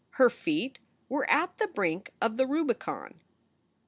Her feet were at the brink of the Rubicon.